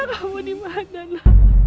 bella kamu dimana na